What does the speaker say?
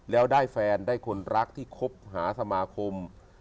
แล้วได้แฟนได้คนรักที่คบหาสมาคม